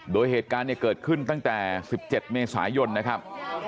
โดยเหตุการณ์เนี่ยเกิดขึ้นตั้งแต่๑๗เมษายนนะครับ